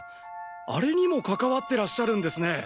あれにも関わってらっしゃるんですね！